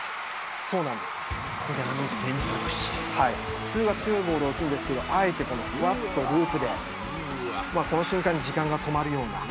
普通は強いボールを打つんですけどあえてふわっとループでこの瞬間に時間が止まるような。